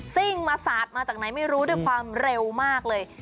ซิ่งมาสาดมาจากไหนไม่รู้ด้วยความเร็วมากเลย